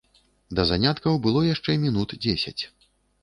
Да заняткаў было яшчэ мінут дзесяць.